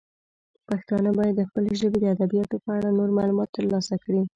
پښتانه باید د خپلې ژبې د ادبیاتو په اړه نور معلومات ترلاسه کړي.